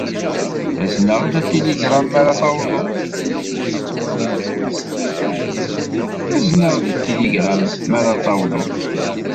Azen-aɣ-d atiligṛam mi ara tawḍed.